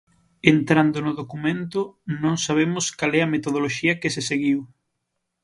Entrando no documento, non sabemos cal é a metodoloxía que se seguiu.